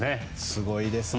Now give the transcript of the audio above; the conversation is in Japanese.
すごいですね。